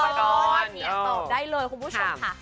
เมียตอบได้เลยคุณผู้ชมค่ะ